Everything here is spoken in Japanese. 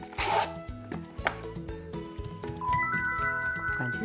こんな感じで。